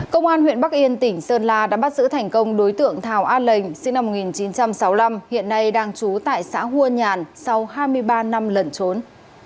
công an huyện bắc yên tỉnh sơn la đã bắt giữ thành công đối tượng thảo a lệnh sinh năm một nghìn chín trăm sáu mươi năm hiện nay đang trú tại xã hua nhàn sau hai mươi ba năm lần trốn